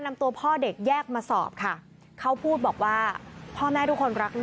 แม่นะ